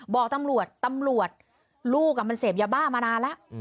บอกตำรวจตำรวจลูกมันเสพยาบ้ามานานแล้ว